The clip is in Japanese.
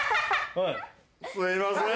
すいません。